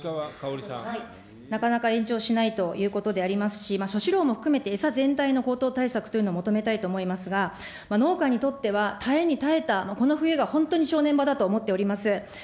なかなか延長しないということでありますし、飼料も含めて、餌全体の高騰対策というのを求めたいと思いますが、農家にとっては、耐えに耐えたこの冬が本当に正念場だと思っております。